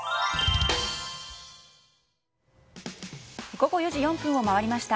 午後４時４分を回りました。